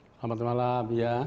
selamat malam ya